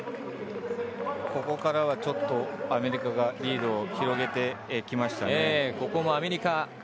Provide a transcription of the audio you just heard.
ここからはちょっとアメリカがリードを広げてきましたね。